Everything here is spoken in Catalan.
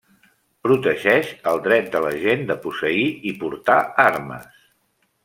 Protegeix el dret de la gent de posseir i portar armes.